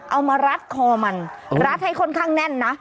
มารัดคอมันรัดให้ค่อนข้างแน่นนะ